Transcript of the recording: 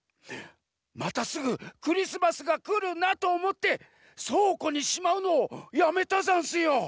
またすぐクリスマスがくるなとおもってそうこにしまうのやめたざんすよ。